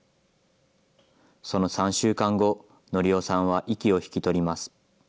その３週間後、典男さんは息を引き取ります。